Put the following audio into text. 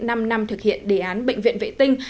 năm năm thực hiện đề án bệnh viện vệ tinh